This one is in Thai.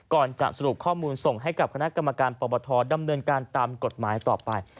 จะสรุปข้อมูลส่งให้กับคณะกรรมการปปทดำเนินการตามกฎหมายต่อไป